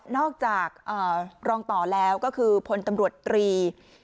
อกจากรองต่อแล้วก็คือพลตำรวจตรี